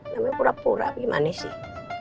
namanya pura pura gimana sih